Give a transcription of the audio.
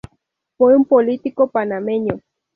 Fue un político panameño.